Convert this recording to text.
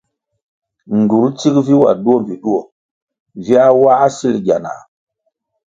Gywul tsig vi wa duo mbpi duo, viā wā sil gyanah,